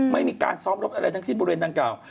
ไม่มีการซ้อมรบอะไรทั้งที่บริเวณดังกล่าว